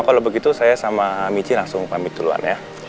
kalau begitu saya sama michi langsung pamit duluan ya